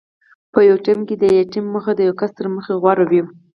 په یو ټیم کې د ټیم موخه د یو کس تر موخې غوره وي.